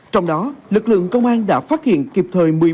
trong đó lực lượng công an đã phát hiện kịp thời